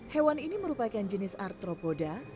hewan ini merupakan jenis artropoda